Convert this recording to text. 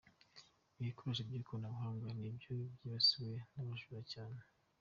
Ibikoresho by’ikoranabuhanga nibyo byibasiwe n’abajura cyane